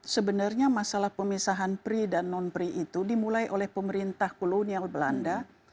sebenarnya masalah pemisahan pri dan non pri itu dimulai oleh pemerintah kolonial belanda